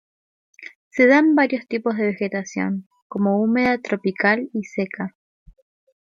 Se dan varios tipos de vegetación, como húmeda tropical y seca.